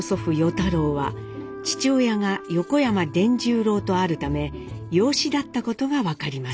太郎は父親が横山傳十郎とあるため養子だったことが分かります。